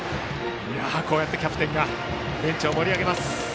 キャプテンがベンチを盛り上げます。